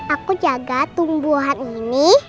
aku jaga tumbuhan ini